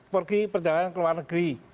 pergi perjalanan ke luar negeri